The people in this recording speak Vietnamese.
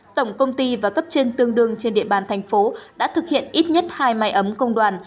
tổng công ty và cấp trên tương đương trên địa bàn thành phố đã thực hiện ít nhất hai máy ấm công đoàn